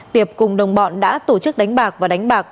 tiệp cùng đồng bọn đã tổ chức đánh bạc và đánh bạc